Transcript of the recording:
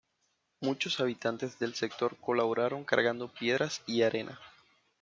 Muchos habitantes del sector colaboraron cargando piedras y arena.